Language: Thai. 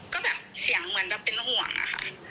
ก็แบบเสียงเหมือนแบบเป็นห่วงอะค่ะ